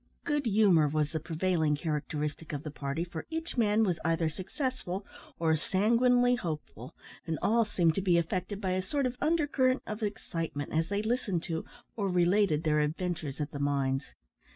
Good humour was the prevailing characteristic of the party, for each man was either successful or sanguinely hopeful, and all seemed to be affected by a sort of undercurrent of excitement, as they listened to, or related, their adventures at the mines.